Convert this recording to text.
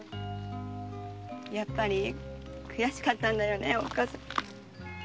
やっぱり悔しかったんだよねおっかさん。